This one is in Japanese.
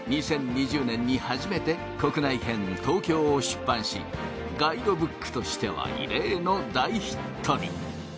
２０２０年に初めて国内編東京を出版しガイドブックとしては異例の大ヒットに。